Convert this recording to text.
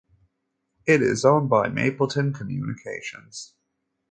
It is owned by Mapleton Communications.